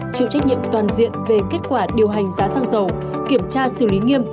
chịu trách nhiệm toàn diện về kết quả điều hành giá xăng dầu kiểm tra xử lý nghiêm